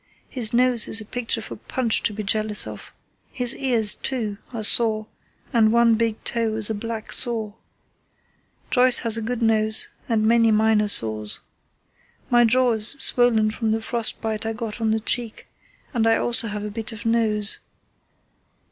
His nose is a picture for Punch to be jealous of; his ears, too, are sore, and one big toe is a black sore. Joyce has a good nose and many minor sores. My jaw is swollen from the frost bite I got on the cheek, and I also have a bit of nose....